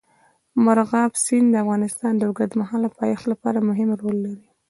مورغاب سیند د افغانستان د اوږدمهاله پایښت لپاره مهم رول لري.